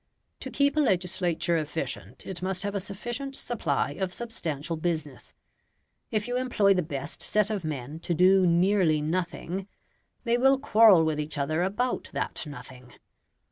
To keep a legislature efficient, it must have a sufficient supply of substantial business. If you employ the best set of men to do nearly nothing, they will quarrel with each other about that nothing.